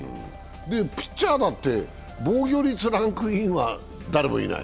ピッチャーだって防御率ランクインは誰もいない。